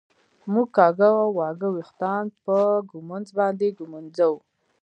مونږ کاږه واږه وېښتان په ږمونځ باندي ږمنځوو